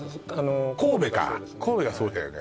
神戸か神戸がそうだよね